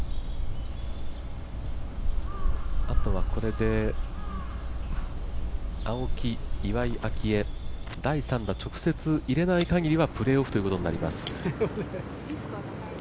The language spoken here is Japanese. あとはこれで、青木、岩井明愛、第３打、直接入れない限りはプレーオフとなります。